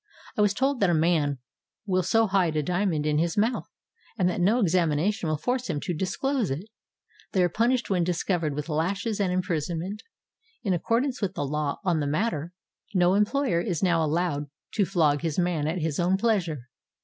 I was told that a man will so hide a diamond in his mouth that no examination will force him to disclose it. They are punished when discovered with lashes and imprisonment, — in accordance with the law 455 SOUTH AFRICA on the matter. No employer is now allowed to flog his man at his own pleasure.